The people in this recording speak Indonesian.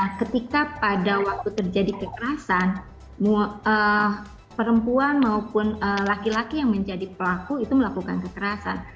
nah ketika pada waktu terjadi kekerasan perempuan maupun laki laki yang menjadi pelaku itu melakukan kekerasan